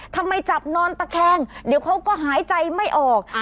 ทำไมจับนอนตะแคงเดี๋ยวเขาก็หายใจไม่ออก